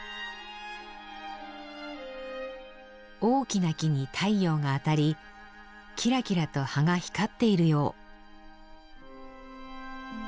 大きな木に太陽が当たりきらきらと葉が光っているよう。